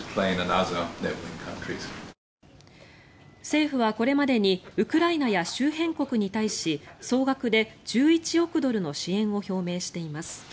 政府はこれまでにウクライナや周辺国に対し総額で１１億ドルの支援を表明しています。